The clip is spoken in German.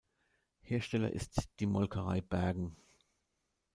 Hersteller ist die Molkerei Bergen.